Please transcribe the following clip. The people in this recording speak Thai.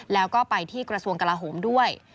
แล้วก็ไปที่กระทรวงกลาโหมด้วย